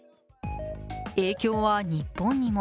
影響は日本にも